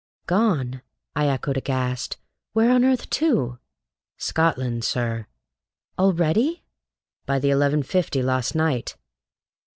"Gone!" I echoed aghast. "Where on earth to?" "Scotland, sir." "Already?" "By the eleven fifty lawst night."